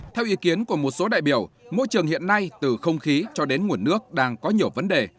theo ý kiến của một số đại biểu môi trường hiện nay từ không khí cho đến nguồn nước đang có nhiều vấn đề